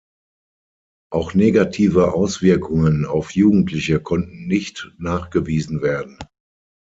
Auch negative Auswirkungen auf Jugendliche konnten nicht nachgewiesen werden.